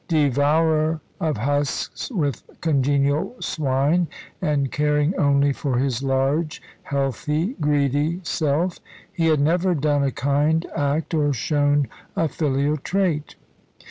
Devourer of husks with congenial swine, and caring only for his large, healthy, greedy self, he had never done a kind act or shown a filial trait.